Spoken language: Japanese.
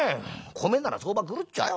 米なら相場狂っちゃうよ。